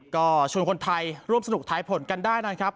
ก็ชวนคนไทยร่วมสนุกท้ายผลกันได้นะครับ